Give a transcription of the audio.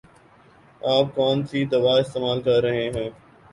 آپ کون سی دوا استعمال کر رہے ہیں؟